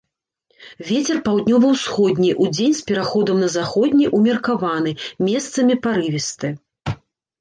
Вецер паўднёва-ўсходні, удзень з пераходам на заходні ўмеркаваны, месцамі парывісты.